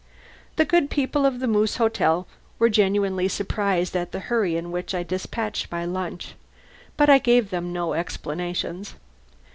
The good people of the Moose Hotel were genuinely surprised at the hurry with which I dispatched my lunch. But I gave them no explanations.